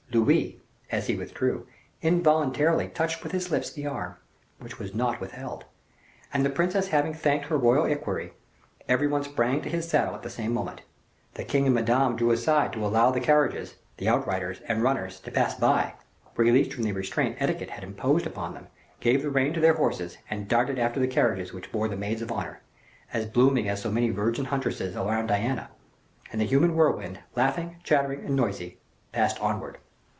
Louis, as he withdrew, involuntarily touched with his lips the arm, which was not withheld, and the princess having thanked her royal equerry, every one sprang to his saddle at the same moment. The king and Madame drew aside to allow the carriages, the outriders, and runners, to pass by. A fair proportion of the cavaliers, released from the restraint etiquette had imposed upon them, gave the rein to their horses, and darted after the carriages which bore the maids of honor, as blooming as so many virgin huntresses around Diana, and the human whirlwind, laughing, chattering, and noisy, passed onward.